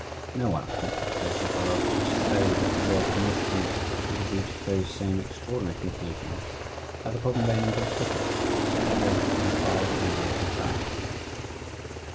No one, I think, would go so far as to say that the Royal Commission would have reached those same extraordinary conclusions had the problem lain in Great Britain instead of in far off India and China.